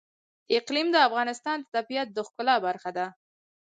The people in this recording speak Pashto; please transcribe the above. اقلیم د افغانستان د طبیعت د ښکلا برخه ده.